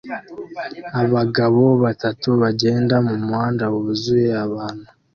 Abagabo batatu bagenda mumuhanda wuzuye abantu